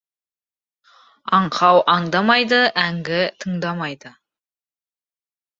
Аңқау аңдамайды, әңгі тыңдамайды.